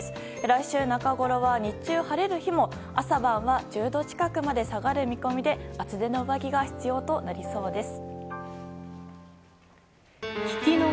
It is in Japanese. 来週中ごろは、日中晴れる日も朝晩は１０度近くまで下がる見込みで厚手の上着が必要となりそうです。